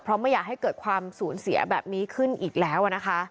เพราะไม่อยากให้เกิดความสูญเสียแบบนี้ขึ้นอีกแล้วนะคะ